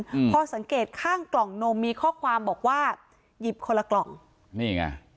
อืมพอสังเกตข้างกล่องนมมีข้อความบอกว่าหยิบคนละกล่องนี่ไง